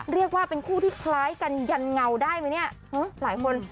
เรียกว่าเป็นคู่ที่คล้ายกันยันเงาได้ไหมเนี่ยหลายคน